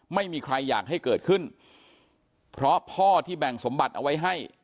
ไม่มีใครอยากให้เกิดขึ้นเพราะพ่อที่แบ่งสมบัติเอาไว้ให้